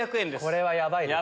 これはヤバい。